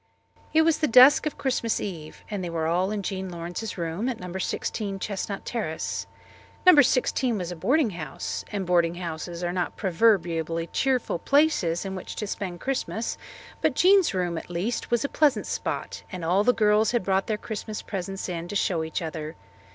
It was the dusk of Christmas Eve and they were all in Jean Lawrence's room at No. 16 Chestnut Terrace. No. 16 was a boarding house, and boarding houses are not proverbially cheerful places in which to spend Christmas, but Jean's room, at least, was a pleasant spot, and all the girls had brought their Christmas presents in to show each other.